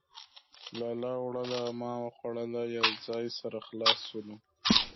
لالا وړوله ما خوړله ،. يو ځاى سره خلاص سولو.